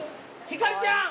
ひかりちゃん！